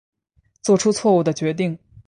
做出错误的决定